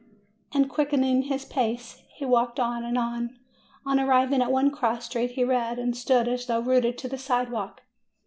And quickening his pace, he walked on and on. On arriving at one cross street, he read, and stood as though rooted to the sidewalk.